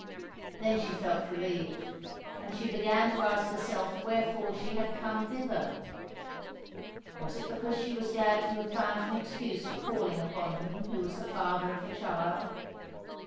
Then she felt relieved; and she began to ask herself wherefore she had come thither? Was it because she was glad to have found an excuse for calling upon him who was the father of her child?